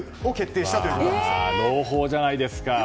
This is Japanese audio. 朗報じゃないですか。